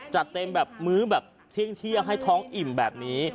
จัดเต็มแบบมื้อแบบเที่ยงให้ท้องอิ่มแบบนี้